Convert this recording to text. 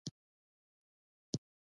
غوټې يې راپورته کړې: یوه پشه خانه ده.